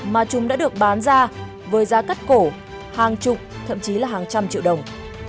mà chúng đã được bán ra với giá cắt cổ hàng chục thậm chí là hàng trăm triệu đồng